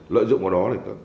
lợi dụng của đó